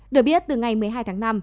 được biết từ ngày một mươi hai tháng năm